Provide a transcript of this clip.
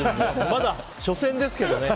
まだ初戦ですけどね。